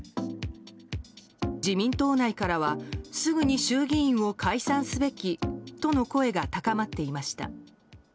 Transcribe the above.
自民党内からはすぐに衆議院を解散すべきとの声が高まっていました。